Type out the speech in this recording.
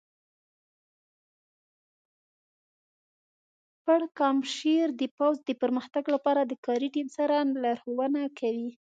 پړکمشر د پوځ د پرمختګ لپاره د کاري ټیم سره لارښوونه کوي.